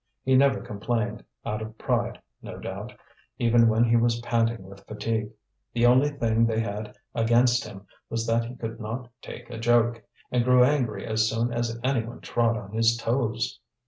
He never complained, out of pride no doubt, even when he was panting with fatigue. The only thing they had against him was that he could not take a joke, and grew angry as soon as any one trod on his toes.